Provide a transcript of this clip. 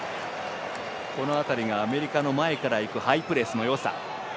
この辺りがアメリカの前からいくハイプレスのよさ。